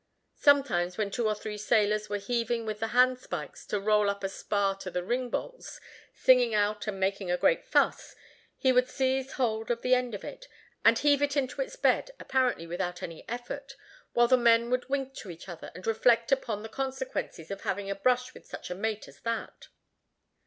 Sometimes when two or three sailors were heaving with the handspikes to roll up a spar to the ringbolts, singing out and making a great fuss, he would seize hold of the end of it, and heave it into its bed apparently without any effort, while the men would wink to each other and reflect upon the consequences of having a brush with such a mate as that.